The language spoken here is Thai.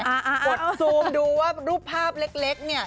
กดซูมดูว่ารูปภาพเล็กเนี่ย